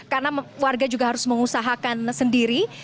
karena warga juga harus mengusahakan sendiri